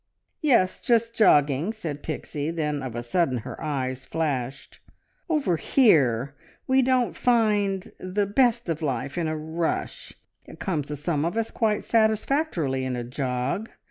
"Yes; just jogging," said Pixie. Then of a sudden her eyes flashed. "`Over here' we don't find the `best of life' in a rush! It comes to some of us quite satisfactorily in a jog!